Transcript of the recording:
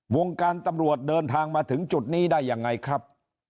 วงการตำรวจเดินทางมาถึงจุดนี้ได้ยังไงครับ